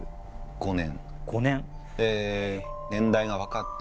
５年。